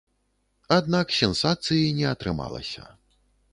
Аднак сенсацыі не атрымалася.